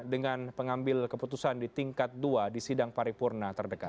dengan pengambil keputusan di tingkat dua di sidang paripurna terdekat